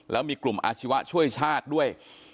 แล้วมีกลุ่มอาชีวะช่วยชาติด้วย